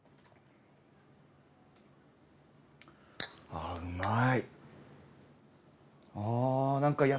あうまい。